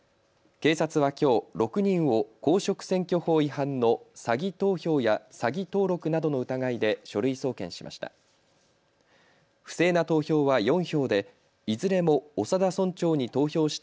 警察はきょう６人を公職選挙法違反の詐偽投票や詐偽登録などの疑いで書類送検しました。